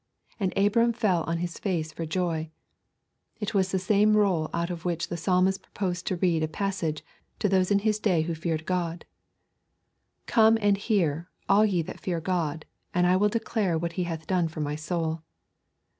And Abram fell on his face for joy. It was the same roll out of which the Psalmist proposed to read a passage to all those in his day who feared God. 'Come and hear, all ye that fear God, and I will declare what He hath done for my soul.'